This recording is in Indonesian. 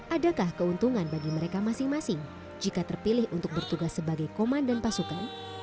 adakah keuntungan bagi mereka masing masing jika terpilih untuk bertugas sebagai komandan pasukan